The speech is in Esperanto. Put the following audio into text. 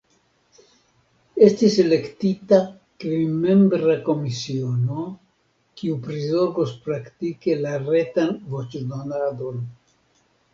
Estis elektita kvinmembra komisiono, kiu prizorgos praktike la retan voĉdonadon.